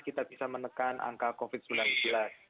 kita bisa menekan angka covid sembilan belas